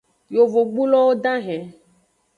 Yovogbulo dahen.